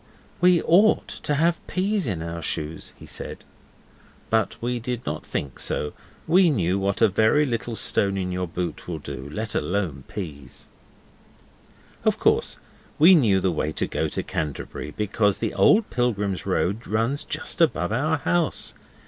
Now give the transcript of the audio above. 'We OUGHT to have peas in our shoes,' he said. But we did not think so. We knew what a very little stone in your boot will do, let alone peas. Of course we knew the way to go to Canterbury, because the old Pilgrims' Road runs just above our house.